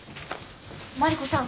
マリコさん